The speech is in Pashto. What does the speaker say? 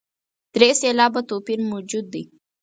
درې سېلابه توپیر موجود دی.